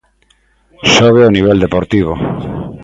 Sobe o nivel deportivo.